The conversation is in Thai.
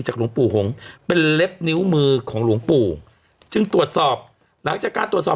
หลวงปู่หงษ์เป็นเล็บนิ้วมือของหลวงปู่จึงตรวจสอบหลังจากการตรวจสอบ